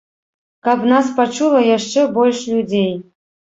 Каб нас пачула яшчэ больш людзей!